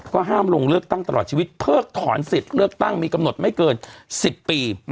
ห้ามลงเลือกตั้งตลอดชีวิตเพิกถอนสิทธิ์เลือกตั้งมีกำหนดไม่เกิน๑๐ปี